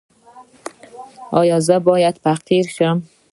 ایا زه باید فقیر شم؟